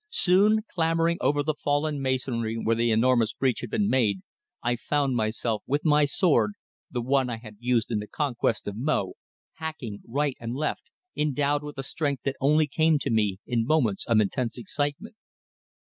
Soon, clambering over the fallen masonry where the enormous breach had been made, I found myself with my sword, the one I had used in the conquest of Mo, hacking right and left, endowed with a strength that only came to me in moments of intense excitement.